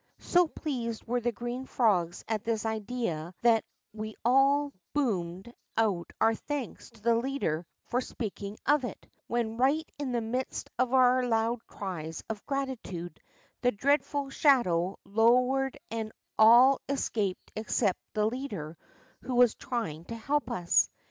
So pleased were the green frogs at this idea that we all boonted ont onr thanks to the leader for speaking of it, when, right in the midst of onr lond cries of gratitude, the dreadful shadow low ered, and all escaped except the leader who was trying to help ns.